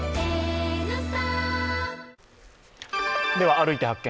「歩いて発見！